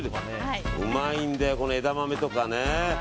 うまいんだよ、枝豆とかね。